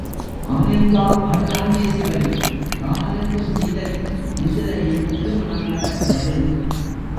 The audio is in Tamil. ஆனைக்கா அகிலாண்டேசுவரி ராமனுக்கும் சீதைக்கும் மிதிலையில் திருமணம் நடக்கிறது.